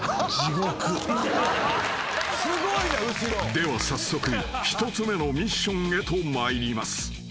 ［では早速１つ目のミッションへと参ります］